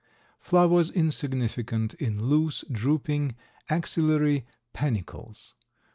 Flowers insignificant in loose, drooping axillary panicles.